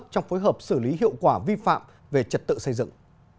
trong phối hợp xử lý hiệu quả vi phạm về trật tự xây dựng